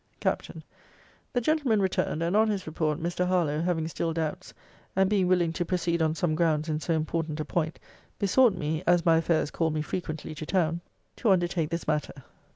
Capt. 'The gentleman returned; and, on his report, Mr. Harlowe, having still doubts, and being willing to proceed on some grounds in so important a point, besought me (as my affairs called me frequently to town) to undertake this matter.